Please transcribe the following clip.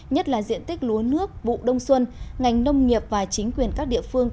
nhất là diện tích lúa nước vụ đông xuân ngành nông nghiệp và chính quyền các địa phương